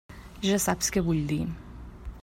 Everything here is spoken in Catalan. Ja saps què vull dir.